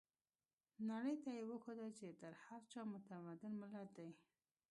نړۍ ته يې وښوده چې تر هر چا متمدن ملت دی.